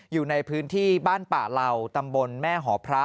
อยู่ในพื้นที่บ้านป่าเหล่าตำบลแม่หอพระ